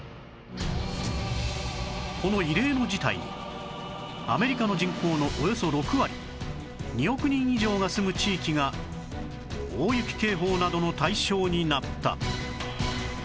この異例の事態にアメリカの人口のおよそ６割２億人以上が住む地域が大雪警報などの対象になった